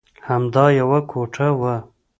همدا یوه کوټه وه.